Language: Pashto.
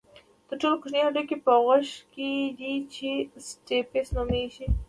تر ټولو کوچنی هډوکی په غوږ کې دی چې سټیپس نومېږي.